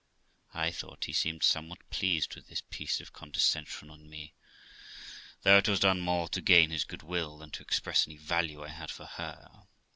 I thought he seemed somewhat pleased with this piece of condescension in me, though it was done more to gain his goodwill than to express any value I had for her.